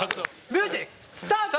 ミュージックスタート！